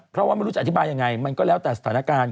เพราะว่าไม่รู้จะอธิบายยังไงมันก็แล้วแต่สถานการณ์